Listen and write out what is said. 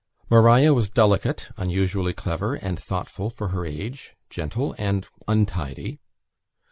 Maria was delicate, unusually clever and thoughtful for her age, gentle, and untidy.